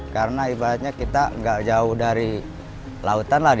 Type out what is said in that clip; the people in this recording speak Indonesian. karena ibaratnya kita nggak jauh dari lautan lah